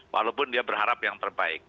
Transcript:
walaupun dia berharap yang terbaik